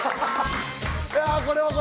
「いやぁこれはこれは」